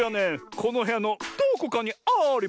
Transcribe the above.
このへやのどこかにあります。